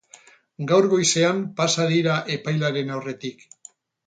Gaur goizean pasa dira epailearen aurretik.